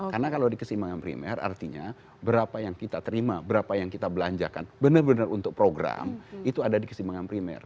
karena kalau di keseimbangan primer artinya berapa yang kita terima berapa yang kita belanjakan benar benar untuk program itu ada di keseimbangan primer